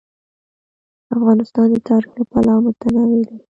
افغانستان د تاریخ له پلوه متنوع دی.